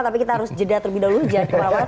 tapi kita harus jeda terbidul dulu jangan kemana mana